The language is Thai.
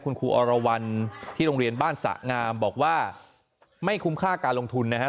คุณครูอรวรรณที่โรงเรียนบ้านสะงามบอกว่าไม่คุ้มค่าการลงทุนนะครับ